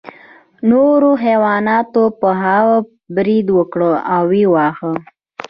نورو حیواناتو په هغه برید وکړ او ویې واهه.